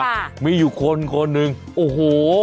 ค่ะมีอยู่คนคนหนึ่งโอ้โห